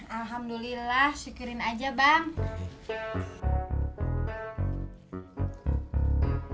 alhamdulillah syukurin aja bang